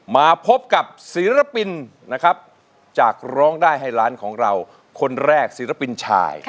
มาพบกับศิลปินนะครับจากร้องได้ให้ล้านของเราคนแรกศิลปินชาย